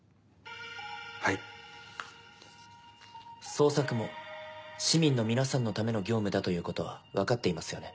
捜索も市民の皆さんのための業務だということは分かっていますよね。